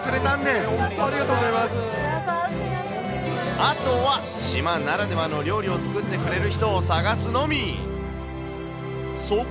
あとは島ならではの料理を作ってくれる人を探すのみ。